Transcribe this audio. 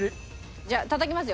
じゃあたたきますよ。